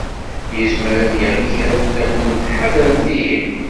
Yezmer ad d-yeɣli kra fell-akent, ḥadremt ihi.